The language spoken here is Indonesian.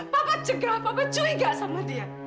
papa cegah papa cuyga sama dia